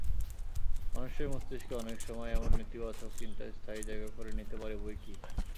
মানুষের মস্তিষ্কে অনেক সময় এমন নেতিবাচক চিন্তা স্থায়ী জায়গা করে নিতে পারে বৈকি।